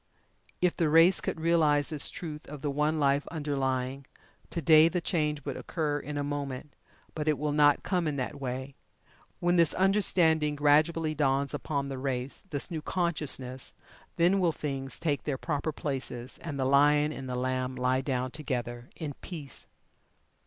If the race could realize this truth of the One Life underlying, to day, the Change would occur in a moment, but it will not come in that way. When this understanding gradually dawns upon the race this new consciousness then will Things take their proper places, and the Lion and the Lamb lie down together in peace.